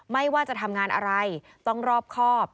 ไม่ว่าจะทำงานอะไรต้องรอบครอบ